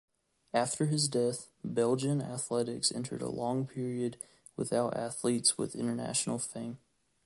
After his death, Belgian athletics entered a long period without athletes with international fame.